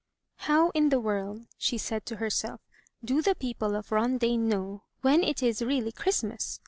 "How in the world,'* she said to herself, "do the people of Rondaine know when it is really Christmas.